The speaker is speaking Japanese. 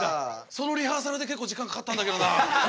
そのリハーサルで結構時間かかったんだけどな。